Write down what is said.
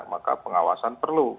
maka pengawasan perlu